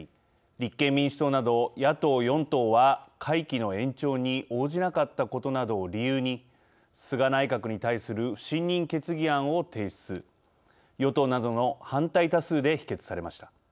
立憲民主党など野党４党は会期の延長に応じなかったことなどを理由に菅内閣に対する不信任決議案を提出与党などの反対多数で否決されました。